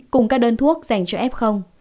cùng các đơn thuốc dành cho f